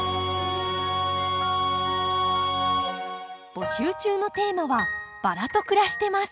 募集中のテーマは「バラと暮らしてます！」